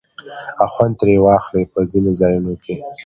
او خوند ترې واخلي په ځينو ځايو کې